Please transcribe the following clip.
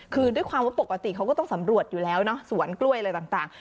คือด้วยความว่าปกติเขาก็ต้องสำรวจอยู่แล้วเนาะสวนกล้วยอะไรต่าง